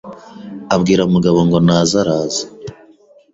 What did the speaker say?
abwira Mugabo ngo naze araza